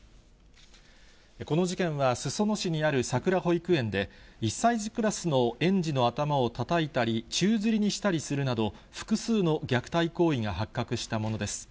この事件は、裾野市にあるさくら保育園で、１歳児クラスの園児の頭をたたいたり、宙づりにしたりするなど、複数の虐待行為が発覚したものです。